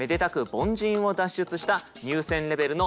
凡人を脱出した入選レベルの脱ボンです。